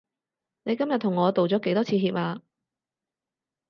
你今日同我道咗幾多次歉啊？